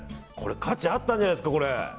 これ価値あったんじゃないですか。